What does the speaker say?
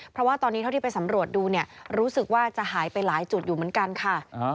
เพราะว่าตอนนี้เท่าที่ไปสำรวจดูเนี่ยรู้สึกว่าจะหายไปหลายจุดอยู่เหมือนกันค่ะ